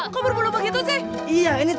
kok berburu begitu ceh